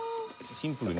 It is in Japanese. シンプルに。